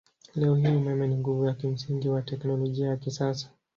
Leo hii umeme ni nguvu ya kimsingi wa teknolojia ya kisasa.